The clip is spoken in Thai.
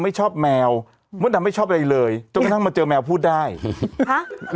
ไม่ชอบแมวมดดำไม่ชอบอะไรเลยจนกระทั่งมาเจอแมวพูดได้ฮะ